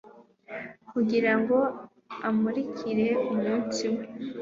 kugirango amurikire umunsi we